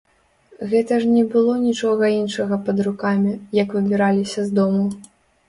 Гэта ж не было нічога іншага пад рукамі, як выбіраліся з дому.